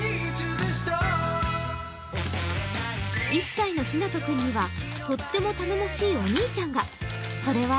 １歳のひなと君にはとっても頼もしいお兄ちゃんが。